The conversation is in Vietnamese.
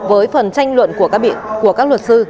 với phần tranh luận của các luật sư